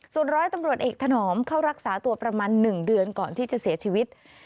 ส่วนร้อยตำรวจเอกถนอมเข้ารักษาตัวประมาณ๑เดือนก่อนที่จะเสียชีวิต